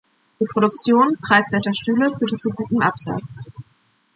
Die Produktion preiswerter Stühle führte zu gutem Absatz.